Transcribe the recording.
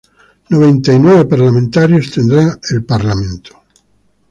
Noventa y nueve parlamentarios tendrá el Parlamento.